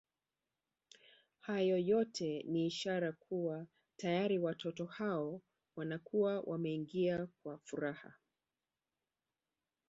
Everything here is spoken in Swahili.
Hiyo yote ni ishara kuwa tayari watoto hao wanakuwa wameingia kwenye furaha